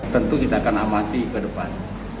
tentu kita akan amati ke depan